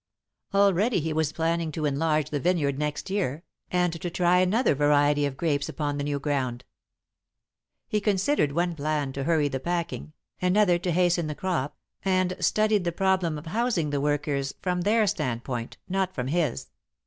Already he was planning to enlarge the vineyard next year, and to try another variety of grapes upon the new ground. He considered one plan to hurry the packing, another to hasten the crop, and studied the problem of housing the workers from their standpoint, not from his.